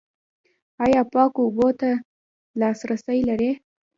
ایا پاکو اوبو ته لاسرسی لرئ؟